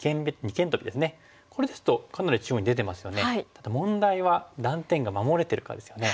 ただ問題は断点が守れてるかですよね。